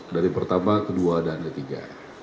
dari pertama kedua dan ketiga